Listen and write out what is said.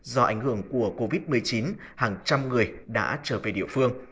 do ảnh hưởng của covid một mươi chín hàng trăm người đã trở về địa phương